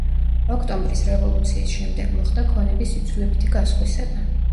ოქტომბრის რევოლუციის შემდეგ მოხდა ქონების იძულებითი გასხვისება.